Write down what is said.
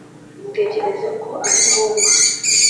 utekereza ko ari ngombwa